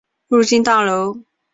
入境大楼